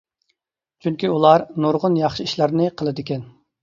چۈنكى ئۇلار نۇرغۇن ياخشى ئىشلارنى قىلىدىكەن.